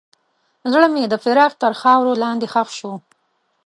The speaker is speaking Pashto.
زړه مې د فراق تر خاورو لاندې ښخ شو.